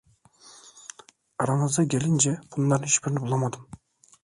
Aranıza gelince bunların hiçbirini bulamadım.